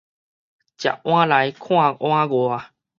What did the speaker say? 食碗內看碗外